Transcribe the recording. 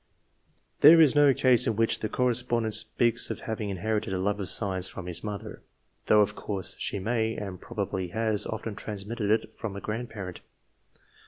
There is no case in which the correspondent speaks of having inherited a love of science from his mother, though, of course, she may, and probably has, often transmitted it from a grand parent.